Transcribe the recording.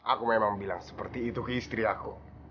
aku memang bilang seperti itu ke istri aku